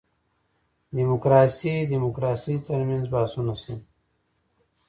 دیموکراسي دیموکراسي تر منځ بحثونه شوي.